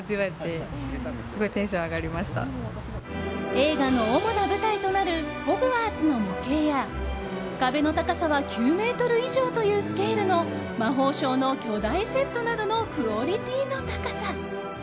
映画の主な舞台となるホグワーツの模型や壁の高さは９ｍ以上というスケールの魔法省の巨大セットなどのクオリティーの高さ。